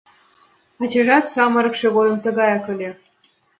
Ачажат самырыкше годым тыгаяк ыле...